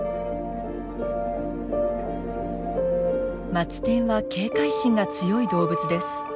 マツテンは警戒心が強い動物です。